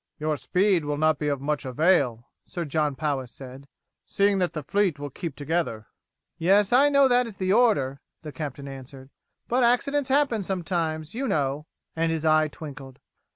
"Your speed will not be of much avail," Sir John Powis said, "seeing that the fleet will keep together." "Yes, I know that is the order," the captain answered; "but accidents happen sometimes, you know" and his eye twinkled.